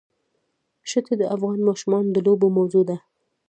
ښتې د افغان ماشومانو د لوبو موضوع ده.